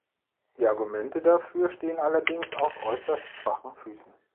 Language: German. Die Argumente dafür stehen allerdings auf äußerst schwachen Füßen.